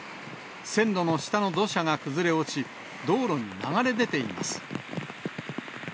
線路の下の土砂が崩れ落ち、道路に流れ出ています。